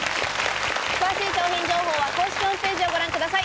詳しい商品情報は公式ホームページをご覧ください。